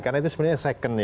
karena itu sebenarnya second ya